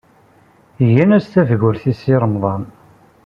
Gan-as tafgurt i Si Remḍan.